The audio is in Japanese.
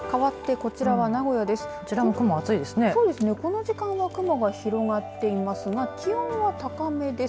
この時間は雲が広がっていますが気温は高めです。